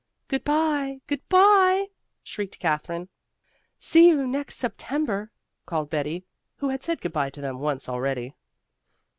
"Good bye! Good bye!" shrieked Katherine. "See you next September," called Betty, who had said good bye to them once already.